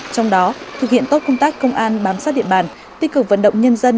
trong đó thực hiện tốt công tác công an bám sát địa bàn tích cực vận động nhân dân